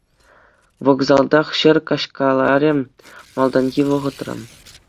Вокзалтах ҫӗр каҫкаларӗ малтанхи вӑхӑтра.